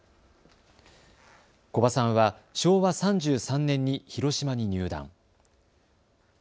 古葉さんは昭和３３年に広島に入団。